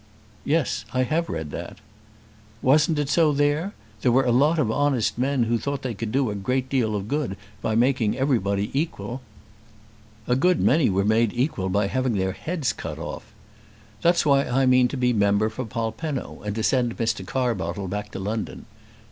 "Yes, I have read that." "Wasn't it so there? There were a lot of honest men who thought they could do a deal of good by making everybody equal. A good many were made equal by having their heads cut off. That's why I mean to be member for Polpenno and to send Mr. Carbottle back to London.